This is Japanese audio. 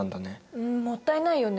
うんもったいないよね。